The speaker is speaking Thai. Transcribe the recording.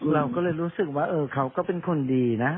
เราก็เลยรู้สึกว่าเขาก็เป็นคนดีนะ